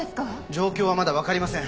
状況はまだわかりません。